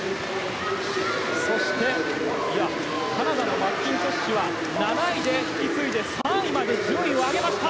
そしてカナダのマッキントッシュは７位で引き継いで３位まで順位を上げました。